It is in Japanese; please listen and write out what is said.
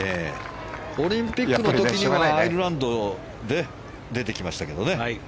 オリンピックの時にはアイルランドで出てきましたけどね。